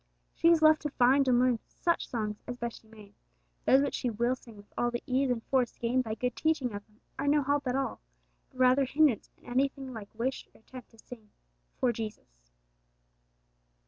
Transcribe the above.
She is left to find and learn such songs as best she may; those which she will sing with all the ease and force gained by good teaching of them are no help at all, but rather hindrance in anything like wish or attempt to 'sing for Jesus.'